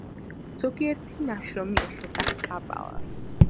ზოგიერთი ნაშრომი ეხება კაბალას.